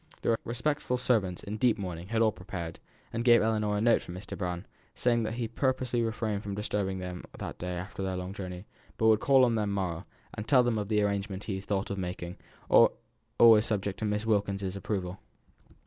The respectful servants, in deep mourning, had all prepared, and gave Ellinor a note from Mr. Brown, saying that he purposely refrained from disturbing them that day after their long journey, but would call on the morrow, and tell them of the arrangements he had thought of making, always subject to Miss Wilkins's approval.